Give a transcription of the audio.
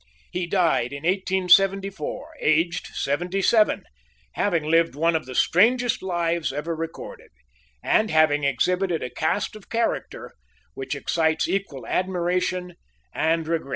He died in 1874, aged seventy seven, having lived one of the strangest lives ever recorded, and having exhibited a cast of character which excites equal admiration and regret.